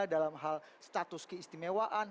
dalam hal status keistimewaan